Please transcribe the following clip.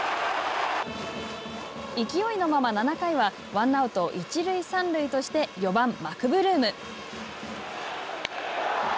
勢いのまま７回はワンアウト、一塁三塁として４番マクブルーム。